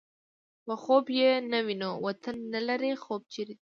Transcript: په خوب يې نه وینو وطن نه لرې خوب چېرې دی